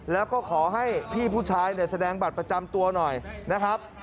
แล้วก็ขอให้พี่ผู้ชายเนี่ยแสดงบัตรประจำตัวหน่อยนะครับ